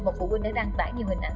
một phụ huynh đã đăng tải nhiều hình ảnh